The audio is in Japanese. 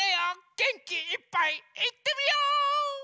げんきいっぱいいってみよ！